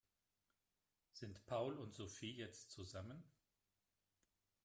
Sind Paul und Sophie jetzt zusammen?